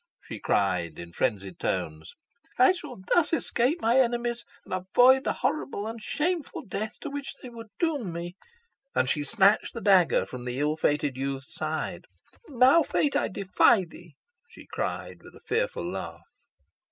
she cried, in frenzied tones, "I shall thus escape my enemies, and avoid the horrible and shameful death to which they would doom me." And she snatched the dagger from the ill fated youth's side. "Now, fate, I defy thee!" she cried, with a fearful laugh.